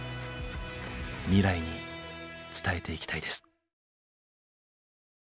未来に伝えていきたいです。